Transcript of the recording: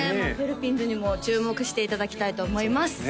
ペルピンズにも注目していただきたいと思います